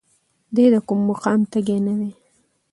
دی د کوم مقام تږی نه دی.